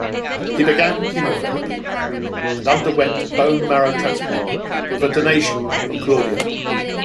He began chemotherapy, and underwent a bone marrow transplant with a donation from Claudia.